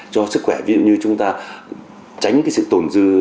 cho sức khỏe ví dụ như chúng ta tránh cái sự tồn dư